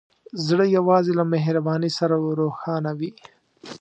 زړه یوازې له مهربانۍ سره روښانه وي.